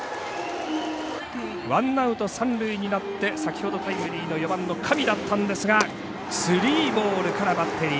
ワンアウト、三塁になって先ほどタイムリーの４番の上だったんですがスリーボールからバッテリー